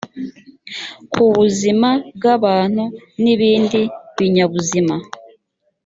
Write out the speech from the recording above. ku buzima bw abantu nibindi binyabuzima